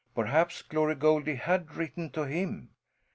Perhaps Glory Goldie had written to him?